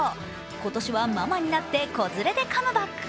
今年はママになって子連れでカムバック。